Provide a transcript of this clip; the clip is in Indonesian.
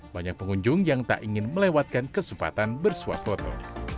banyak pengunjung yang tak ingin melewatkan kesempatan bersuap foto